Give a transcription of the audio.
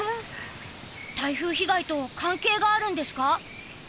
台風被害と関係があるんですか？